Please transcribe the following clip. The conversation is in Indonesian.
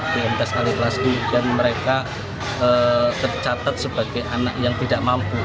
di mts al ikhlas kluwut dan mereka tercatat sebagai anak yang tidak mampu